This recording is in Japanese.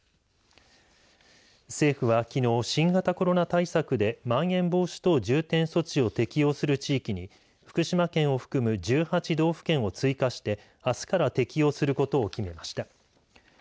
政府はきのう新型コロナ対策でまん延防止等重点措置を適用する地域に福島県を含む１８道府県を追加してあすから適用することを決めました。